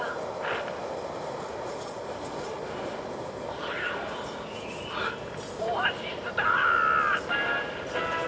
あれはオアシスだ！